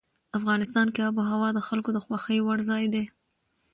افغانستان کې آب وهوا د خلکو د خوښې وړ ځای دی.